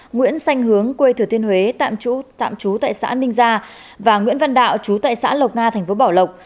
nguyễn xanh hướng quê thừa thiên huế tạm chú tại xã ninh gia và nguyễn văn đạo chú tại xã lộc nga thành phố bảo lộc